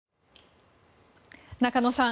中野さん